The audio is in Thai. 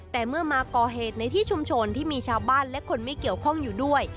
แต่เมื่อมาก่อเหตุในที่ชุมชนที่มีชาวบ้านและคนไม่เกี่ยวข้องอยู่ด้วย